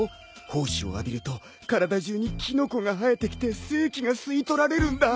胞子を浴びると体中にキノコが生えてきて生気が吸い取られるんだ。